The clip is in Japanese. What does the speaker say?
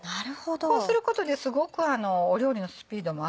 そうすることですごく料理のスピードも上がる。